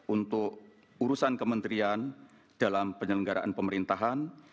untuk urusan kementerian dalam penyelenggaraan pemerintahan